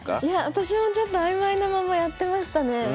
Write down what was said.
私もちょっと曖昧なままやってましたね。